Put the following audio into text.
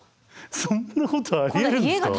そんなことありえるんですか？